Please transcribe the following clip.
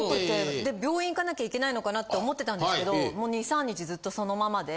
で病院行かなきゃいけないのかなと思ってたんですけどもう２３日ずっとそのままで。